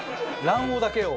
卵黄だけを。